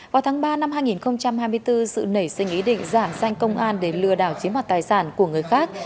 vào tháng ba năm hai nghìn hai mươi bốn sự nảy sinh ý định giảng sanh công an để lừa đảo chiếm hoặc tài sản của người khác